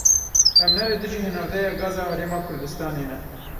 Em ne li dijî hinardeya gaza Herêma Kurdistanê ne.